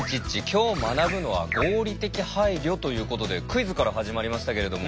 今日学ぶのは「合理的配慮」ということでクイズから始まりましたけれども。